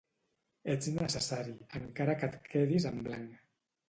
Ets necessari, encara que et quedis en blanc.